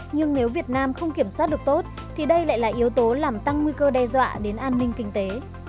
nhưng nếu việt nam không kiểm soát được tốt thì đây lại là yếu tố làm tăng nguy cơ đe dọa đến an ninh kinh tế